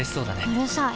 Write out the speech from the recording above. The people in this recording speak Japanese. うるさい。